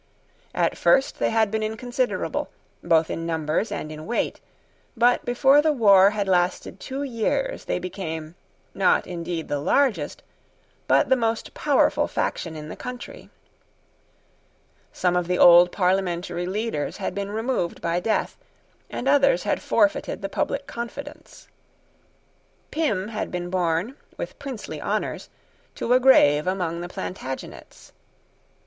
At first they had been inconsiderable, both in numbers and in weight; but before the war had lasted two years they became, not indeed the largest, but the most powerful faction in the country. Some of the old parliamentary leaders had been removed by death; and others had forfeited the public confidence. Pym had been borne, with princely honours, to a grave among the Plantagenets.